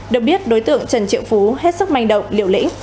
được biết đối tượng trần triệu phú hết sức manh động liều lĩnh